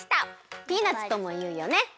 ピーナツともいうよね。